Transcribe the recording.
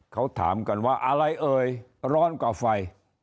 เขาถามกันว่าอะไรเอ่ยร้อนกว่าไฟ